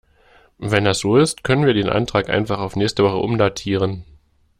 Wenn das so ist, können wir den Antrag einfach auf nächste Woche umdatieren.